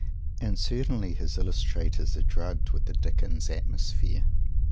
And certainly his illustrators are drugged with the Dickens atmosphere.